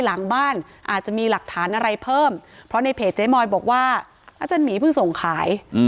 หลังบ้านอาจจะมีหลักฐานอะไรเพิ่มเพราะในเพจเจ๊มอยบอกว่าอาจารย์หมีเพิ่งส่งขาย